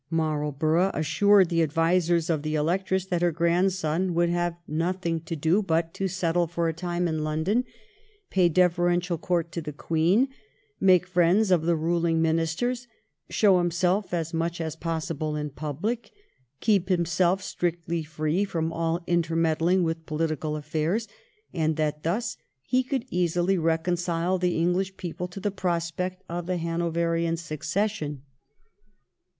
Marlborough assured the advisers of the Electress that her grandson would have nothing to « I 1713 14 THE HANOVERIAN FAMILY. 271 do but to settle for a time in London, pay deferential court to the Queen, make friends of the ruling Min isters, show himself as much as possible in public, keep himself strictly free from all intermeddling with political afiairs, and that thus he could easily reconcile the English people to the prospect of the Hanoverian succession.